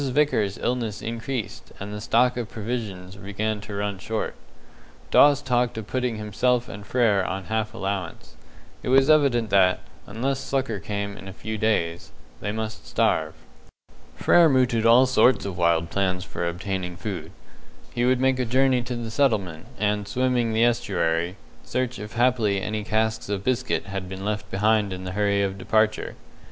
Vickers's illness increased, and the stock of provisions began to run short. Dawes talked of putting himself and Frere on half allowance. It was evident that, unless succour came in a few days, they must starve. Frere mooted all sorts of wild plans for obtaining food. He would make a journey to the settlement, and, swimming the estuary, search if haply any casks of biscuit had been left behind in the hurry of departure.